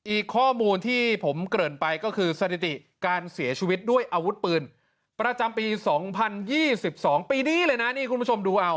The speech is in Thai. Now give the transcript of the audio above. อีกข้อมูลที่ผมเกริ่นไปก็คือสถิติการเสียชีวิตด้วยอาวุธปืนประจำปี๒๐๒๒ปีนี้เลยนะนี่คุณผู้ชมดูเอา